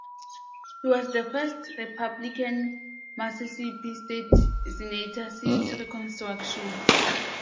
He was the first Republican Mississippi state senator since Reconstruction.